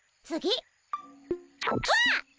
わっ！